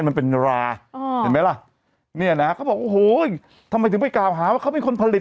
ไหมล่ะเนี่ยนะเขาบอกโอ้โหทำไมถึงไปกล่าวหาว่าเขาเป็นคนผลิต